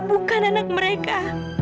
bukan anak mereka